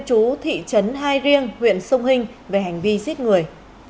đào văn liêm chú thị trấn hai riêng huyện sông hinh về hành vi giết người